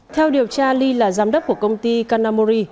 theo điều tra ly là giám đốc của công ty canamory